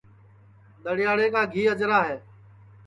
دڑے یاڑے کا گھی اجرا ہے